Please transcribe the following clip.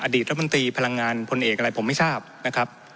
รัฐมนตรีพลังงานพลเอกอะไรผมไม่ทราบนะครับ